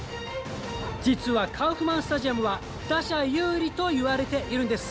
実はカウフマンスタジアムは、打者有利といわれているんです。